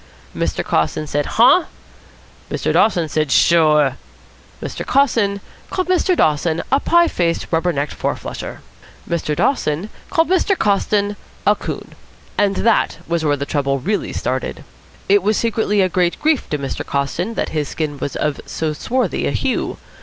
Mr. Coston said: "Huh?" Mr. Dawson said: "Sure." Mr. Coston called Mr. Dawson a pie faced rubber necked four flusher. Mr. Dawson called Mr. Coston a coon. And that was where the trouble really started. It was secretly a great grief to Mr. Coston that his skin was of so swarthy a hue.